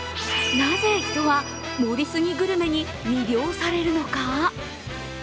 なぜ、人は盛り過ぎグルメに魅了されるのか。